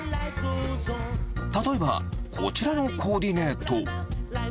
例えば、こちらのコーディネート。